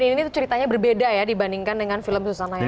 ini tuh ceritanya berbeda ya dibandingkan dengan film susana yang lain